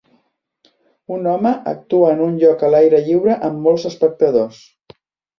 Un home actua en un lloc a l'aire lliure, amb molts espectadors.